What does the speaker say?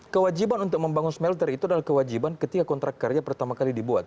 kewajiban untuk membangun smelter itu adalah kewajiban ketika kontrak karya pertama kali dibuat